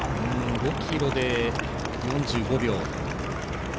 ５ｋｍで、４５秒。